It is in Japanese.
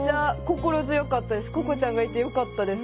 ここちゃんがいてよかったです。